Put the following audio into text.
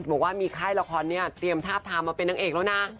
บอกว่ามีค่ายละครนี้เตรียมทาบทามมาเป็นนางเอกแล้วนะ